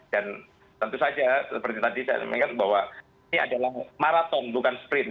dan tentu saja seperti tadi saya mengingat bahwa ini adalah maraton bukan sprint